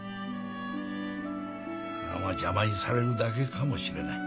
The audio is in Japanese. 邪魔にされるだけかもしれない。